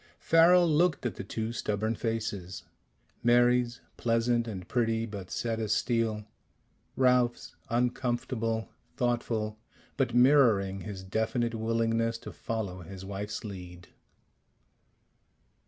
Farrel looked at the two stubborn faces: Mary's, pleasant and pretty, but set as steel; Ralph's, uncomfortable, thoughtful, but mirroring his definite willingness to follow his wife's lead.